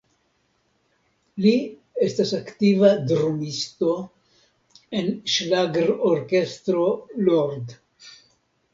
Li estas aktiva drumisto en ŝlagrorkestro "Lord".